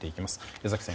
江崎さん